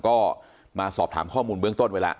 ก็มาสอบถามข้อมูลเบื้องต้นไว้แล้ว